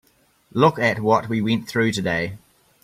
Look at what we went through today.